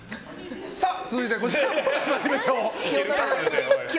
続いてはこちらに参りましょう。